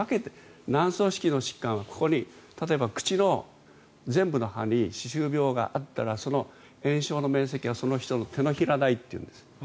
軟組織の疾患は例えば口の全部の歯に歯周病があったらその炎症の面積はその人の手のひら大という。